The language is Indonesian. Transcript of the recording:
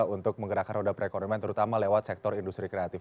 untuk menggerakkan roda perekonomian terutama lewat sektor industri kreatif